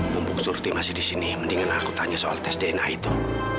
pumpuk surti masih di sini mendingan aku tanya soal tes dna itu